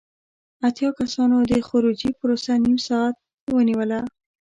اتیا کسانو د خروجی پروسه نیم ساعت ونیوله.